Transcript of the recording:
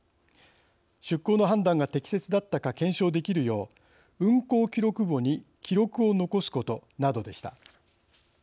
出港の判断が適切だったか検証できるよう運航記録簿に記録を残すことなどでした。